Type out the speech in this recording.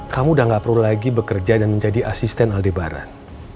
kamu udah gak perlu lagi bekerja dan menjadi asisten aldebaran